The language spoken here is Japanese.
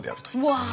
うわ。